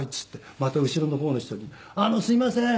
また後ろの方の人に「あのすいません。